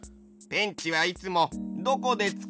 ペンチはいつもどこでつかうの？